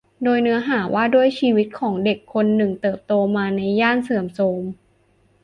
โดยเนื้อหาว่าด้วยชีวิตของเด็กคนหนึ่งที่เติบโตมาในย่านเสื่อมโทรม